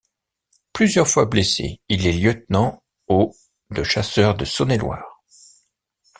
Plusieurs fois blessé, il est lieutenant au de Chasseurs de Saône-et-Loire.